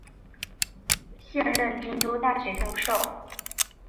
现任京都大学教授。